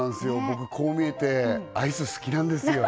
僕こう見えてアイス好きなんですよ